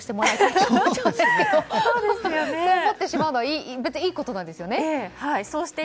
そう思ってしまうのはいいことですよね。